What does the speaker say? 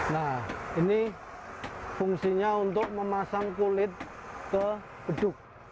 nah ini fungsinya untuk memasang kulit ke beduk